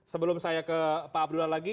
sebelum saya ke pak abdullah lagi